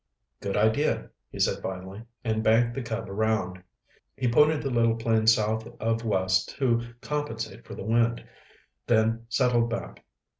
"Good idea," he said finally, and banked the Cub around. He pointed the little plane south of west to compensate for the wind, then settled back.